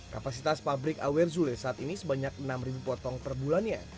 kapasitas pabrik awer zule saat ini sebanyak enam potong per bulannya